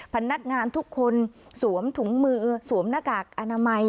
พนักงานทุกคนสวมถุงมือสวมหน้ากากอนามัย